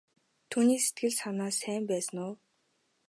Түүний сэтгэл санаа сайн байсан уу?